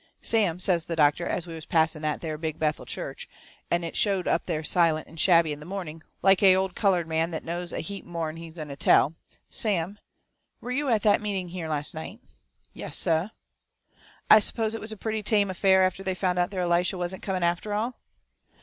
"Sam," says the doctor, as we was passing that there Big Bethel church and it showed up there silent and shabby in the morning, like a old coloured man that knows a heap more'n he's going to tell "Sam, were you at the meeting here last night?" "Yass, suh!" "I suppose it was a pretty tame affair after they found out their Elisha wasn't coming after all?"